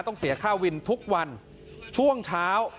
ต้องเสียค่าวินทุกวันช่วงเช้า